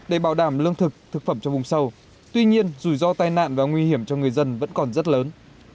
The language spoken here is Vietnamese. để bảo đảm lương thực thực phẩm cho vùng sâu tuy nhiên rủi ro tai nạn và nguy hiểm cho người dân vẫn còn rất lớn